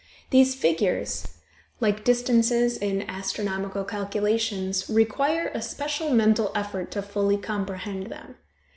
These figures, like distances in astronomical calculations, require a special mental effort to fully comprehend them.